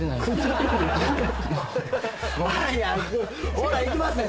ほら行きますよ。